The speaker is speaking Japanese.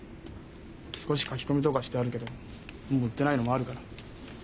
少し書き込みとかしてあるけど今は売ってないのもあるから。